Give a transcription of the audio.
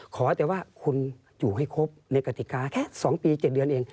ขอแต่ว่าคุณอยู่ให้ครบในกติกาแค่๒ปี๗เดือนเอง